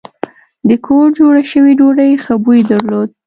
د کور جوړه شوې ډوډۍ ښه بوی درلود.